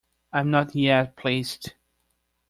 I am not yet placed.